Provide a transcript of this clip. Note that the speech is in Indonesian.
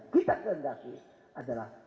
kita kehendaki adalah